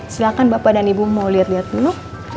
silahkan bapak dan ibu mau lihat lihat dulu